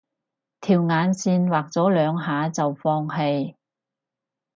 條眼線畫咗兩下就放棄